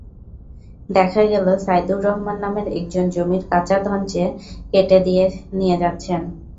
দেখা গেল, সাইদুর রহমান নামের একজন জমির কাঁচা ধঞ্চে কেটে নিয়ে যাচ্ছেন।